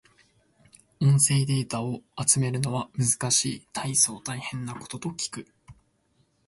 音声データを集めるのは難しい。大層大変なことと聞く。